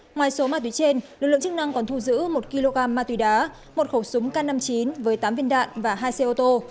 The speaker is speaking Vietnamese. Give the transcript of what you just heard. ngoài số ma túy trên lực lượng chức năng còn thu giữ một kg ma túy đá một khẩu súng k năm mươi chín với tám viên đạn và hai xe ô tô